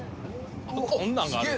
こんなんがある。